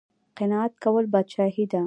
قناعت کول پادشاهي ده